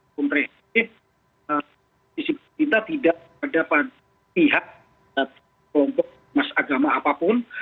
pemerintah tidak ada pada pihak atau kelompok mas agama apapun